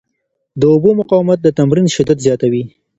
د اوبو مقاومت د تمرین شدت زیاتوي.